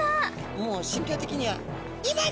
もう心境的には「今だ」です。